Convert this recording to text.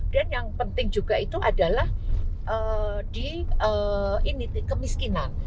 dan yang penting juga itu adalah di kemiskinan